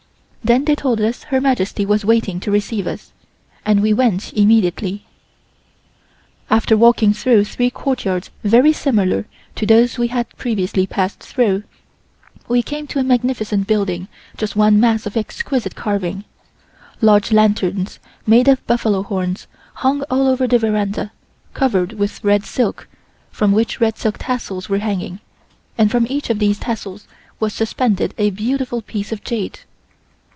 Then they told us Her Majesty was waiting to receive us, and we went immediately. After walking through three courtyards very similar to those we had previously passed through, we came to a magnificent building just one mass of exquisite carving. Large lanterns made of buffalo horns hung all over the veranda covered with red silk from which red silk tassels were hanging and from each of these tassels was suspended a beautiful piece of jade.